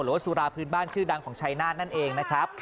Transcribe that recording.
หรือว่าสุราพื้นบ้านชื่อดังของชัยนาธนั่นเองนะครับ